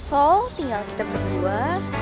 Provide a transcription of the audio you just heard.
so tinggal kita berdua